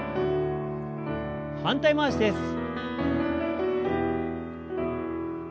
反対回しです。